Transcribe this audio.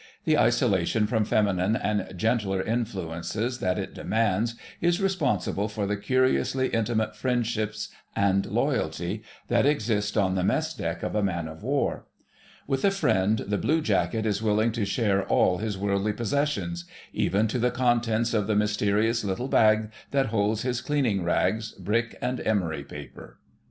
The isolation from feminine and gentler influences that it demands is responsible for the curiously intimate friendships and loyalty that exist on the mess deck of a man of war. With a friend the blue jacket is willing to share all his worldly possessions—even to the contents of the mysterious little bag that holds his cleaning rags, brick, and emery paper.